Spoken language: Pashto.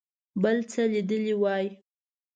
بل څه لیدلي وای.